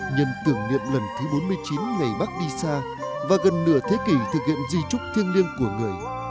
nhân tưởng niệm lần thứ bốn mươi chín ngày bác đi xa và gần nửa thế kỷ thực hiện di trúc thiêng liêng của người